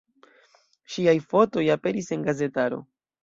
Ŝiaj fotoj aperis en gazetaro.